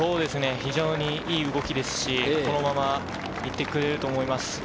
非常にいい動きですし、このままいってれると思います。